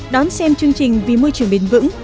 đón xem chương trình vì môi trường bền vững